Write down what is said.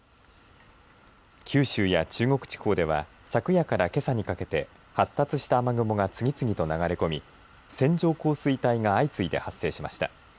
九州や中国地方では昨夜から、けさにかけて発達した雨雲が次々と流れ込み線状降水帯が相次いで発生しました。